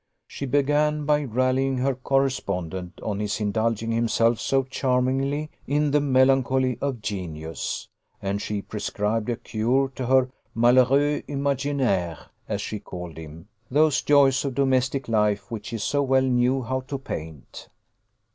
She began by rallying her correspondent on his indulging himself so charmingly in the melancholy of genius; and she prescribed as a cure to her malheureux imaginaire, as she called him, those joys of domestic life which he so well knew how to paint.